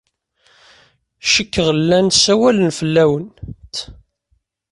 Cikkeɣ llan ssawalen fell-awent.